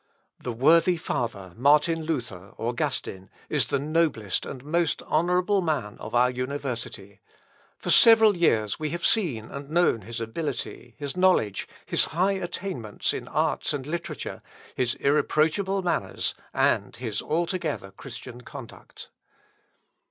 "The worthy father, Martin Luther, Augustin, is the noblest and most honourable man of our university. For several years we have seen and known his ability, his knowledge, his high attainments in arts and literature, his irreproachable manners, and his altogether Christian conduct."